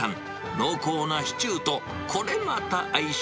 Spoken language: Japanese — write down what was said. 濃厚なシチューと、これまた相性